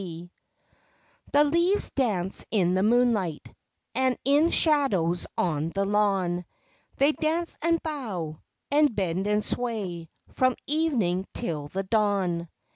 C he leaves dance in the moonlight And in shadows on the lawn; They dance and bow And bend and sway From evening 'till the dawn.